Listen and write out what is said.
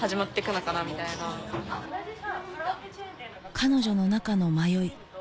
彼女の中の迷い